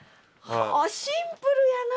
シンプルやな。